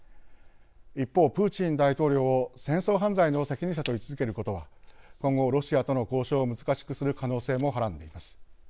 一方、プーチン大統領を戦争犯罪の責任者と位置づけることは今後、ロシアとの交渉を難しくする可能性もはらんでいます。